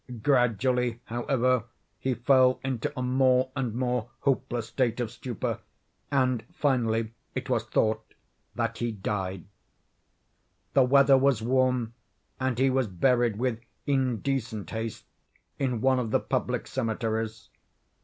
Gradually, however, he fell into a more and more hopeless state of stupor, and, finally, it was thought that he died. The weather was warm, and he was buried with indecent haste in one of the public cemeteries.